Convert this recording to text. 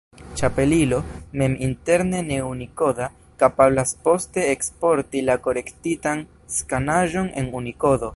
Ĉapelilo, mem interne ne-unikoda, kapablas poste eksporti la korektitan skanaĵon en Unikodo.